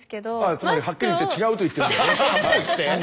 つまりはっきり言って違うと言ってるんですね。